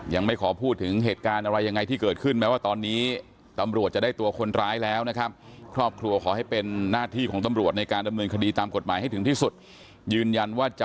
ยังไม่ขอพูดถึงเหตุการณ์อะไรยังไงที่เกิดขึ้น